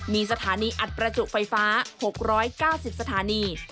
มีสถานีอัดประจุไฟฟ้า๖๙๐สถานี